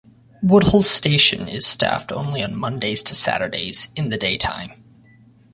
Woodhall station is staffed only on Monday to Saturday in the daytime.